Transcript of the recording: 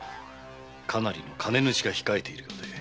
かなりの金主が控えているようで。